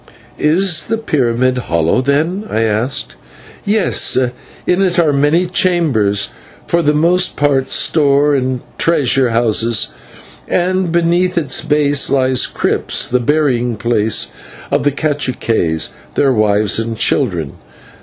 "Is the pyramid hollow, then?" I asked. "Yes, in it are many chambers, for the most part store and treasure houses, and beneath its base lie crypts, the burying place of the /caciques/, their wives, and children.